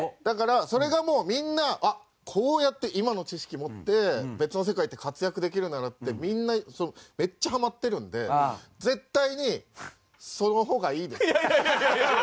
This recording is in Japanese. だからそれがもうみんな「こうやって今の知識持って別の世界に行って活躍できるなら」ってみんなめっちゃハマってるんで絶対にその方がいいです。